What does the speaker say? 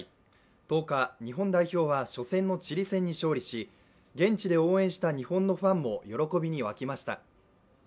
１０日、日本代表は初戦のチリ戦に勝利し現地で応援した日本のファンも喜びに沸きました。